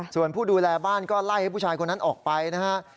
ส่วนผู้ดูแลบ้านก็ไล่ให้ผู้ชายคนนั้นออกไปนะฮะ